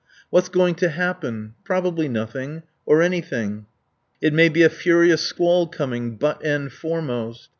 What's going to happen? Probably nothing. Or anything. It may be a furious squall coming, butt end foremost.